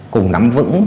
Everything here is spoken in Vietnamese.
cùng nắm vững